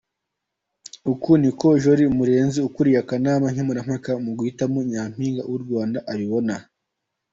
Uku niko Jolie Murenzi ukuriye akanama nkemurampaka mu guhitamo Nyamping w’u Rwanda abibona.